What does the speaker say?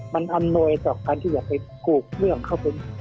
มันอำนวยต่อการที่จะไปกูกเรื่องเข้าไป